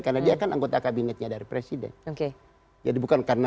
karena dia kan anggota kabinetnya dari presiden